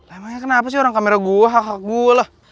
emangnya kenapa sih orang kamera gue hak hak gue lah